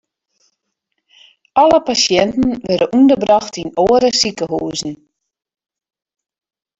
Alle pasjinten wurde ûnderbrocht yn oare sikehuzen.